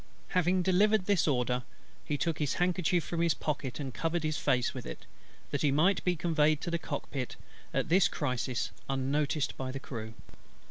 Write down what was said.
Having delivered this order, he took his handkerchief from his pocket and covered his face with it, that he might be conveyed to the cockpit at this crisis unnoticed by the crew.